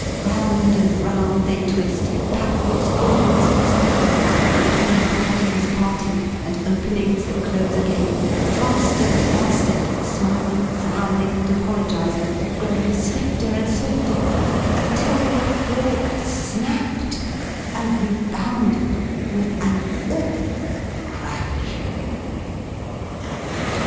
Round and round they twist backwards, forwards, and sideways, between parties parted, and openings that close again, faster and faster, smiling, frowning, and apologizing, growing swifter and swifter, until the floor snapped, and rebounded with an awful crash.